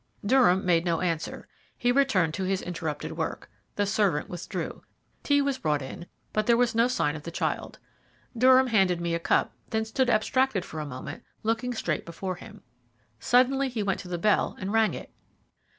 Durham made no answer. He returned to his interrupted work. The servant withdrew. Tea was brought in, but there was no sign of the child. Durham handed me a cup, then stood abstracted for a moment, looking straight before him. Suddenly he went to the bell and rang it.